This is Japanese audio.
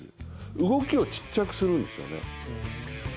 動きを小さくするんですよね。